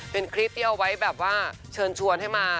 เป็นคลิปที่เอาไว้แบบว่าเชิญชวนให้มา